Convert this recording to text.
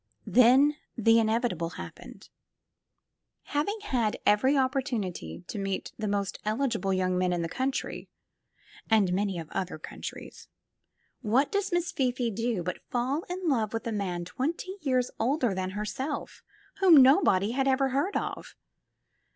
Then the inevitable happened. Having had every opportunity to meet the most eligible young men in the country — and many of other countries — ^what does Miss Fifi do but fall in love with a man twenty years older 178 THE FILM OF FATE than herself, whom nobody had ever heard of!